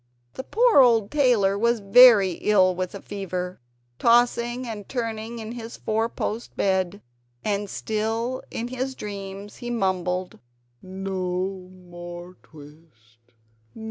The poor old tailor was very ill with a fever, tossing and turning in his four post bed; and still in his dreams he mumbled: "No more twist!